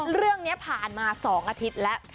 เรื่องนี้ผ่านมา๒อาทิตย์แล้ว